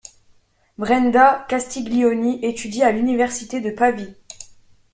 Branda Castiglioni étudie à l'université de Pavie.